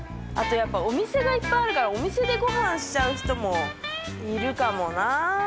やっぱりお店がいっぱいあるからお店でご飯しちゃう人もいるかもな。